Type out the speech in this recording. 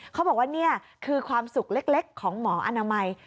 เขาบอกว่านี่คือความสุขเล็กของหมออนามัย